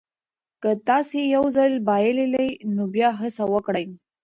که تاسي یو ځل بایللي نو بیا هڅه وکړئ.